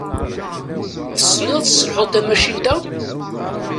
Tessneḍ ad tesselḥuḍ tamacint-a?